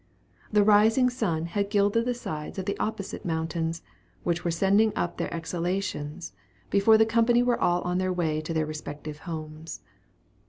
The rising sun had gilded the sides of the opposite mountains, which were sending up their exhalations, before the company were all on their way to their respective homes.